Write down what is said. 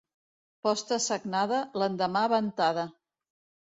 Posta sagnada, l'endemà ventada.